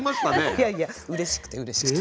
いやいやうれしくてうれしくて。